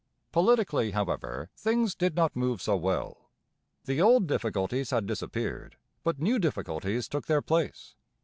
Politically, however, things did not move so well. The old difficulties had disappeared, but new difficulties took their place.